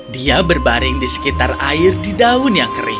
dia berbaring di sekitar air di daun yang kering